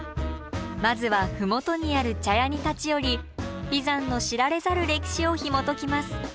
まずは麓にある茶屋に立ち寄り眉山の知られざる歴史をひもときます。